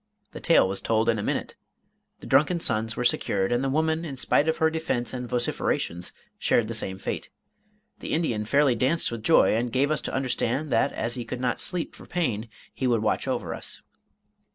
The tale was told in a minute. The drunken sons were secured, and the woman, in spite of her defense and vociferations, shared the same fate. The Indian fairly danced with joy, and gave us to understand that as he could not sleep for pain, he would watch over us.